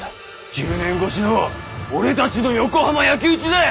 １０年越しの俺たちの横浜焼き討ちだい！